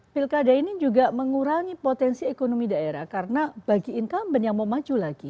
pilkada ini juga mengurangi potensi ekonomi daerah karena bagi incumbent yang mau maju lagi